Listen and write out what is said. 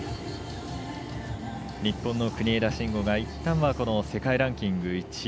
日本の国枝慎吾が、いったんは世界ランキング１位。